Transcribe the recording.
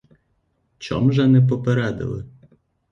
Чом же не попередили?